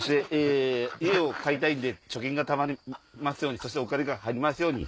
家を買いたいんで貯金がたまりますようにそしてお金が入りますように。